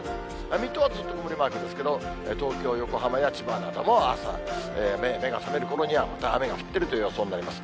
水戸はずっと曇りマークですけど、東京、横浜や千葉なども朝、目が覚めるころには、また雨が降ってるという予想になります。